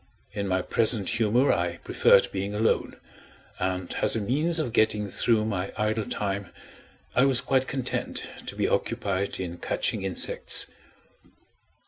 In my present humor, I preferred being alone and, as a means of getting through my idle time, I was quite content to be occupied in catching insects.